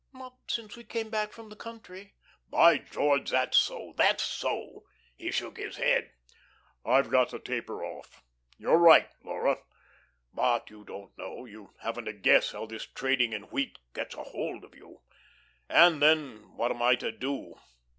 "Not since we came back from the country." "By George, that's so, that's so." He shook his head. "I've got to taper off. You're right, Laura. But you don't know, you haven't a guess how this trading in wheat gets a hold of you. And, then, what am I to do?